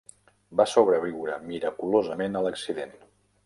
Va sobreviure miraculosament a l'accident.